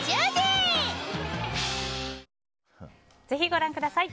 ぜひご覧ください。